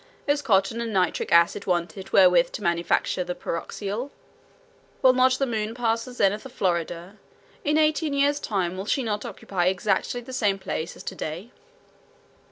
Is cotton and nitric acid wanted wherewith to manufacture the pyroxyle? Will not the moon pass the zenith of Florida? In eighteen years' time will she not occupy exactly the same place as to day?"